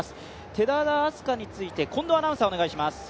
寺田明日香について近藤アナウンサーお願いします。